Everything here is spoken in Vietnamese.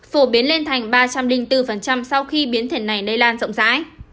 phổ biến lên thành ba trăm linh bốn sau khi biến thể này lây lan rộng rãi